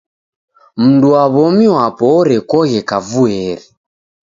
Mndu wa w'omi wapo orekoghe kavuieri.